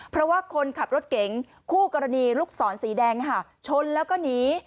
เพราะว่าคนขับรถเก๋งคู่กรณีลูกศรสีแดงชนแล้วก็หนี